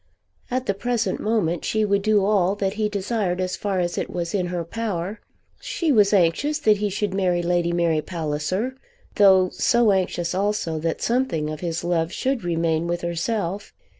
At the present moment she would do all that he desired as far as it was in her power. She was anxious that he should marry Lady Mary Palliser, though so anxious also that something of his love should remain with herself!